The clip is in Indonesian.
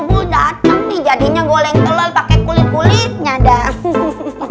kacau di pooring kacau di jadinya goleng telur pakai kulit kulit nyadang